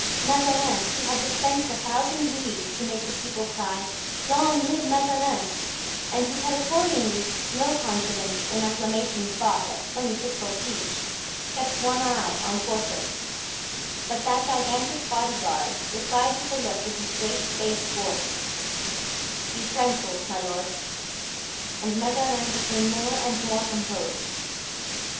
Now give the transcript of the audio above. Mazarin, who had dispensed a thousand louis to make the people cry "Long live Mazarin," and who had accordingly no confidence in acclamations bought at twenty pistoles each, kept one eye on Porthos; but that gigantic body guard replied to the look with his great bass voice, "Be tranquil, my lord," and Mazarin became more and more composed.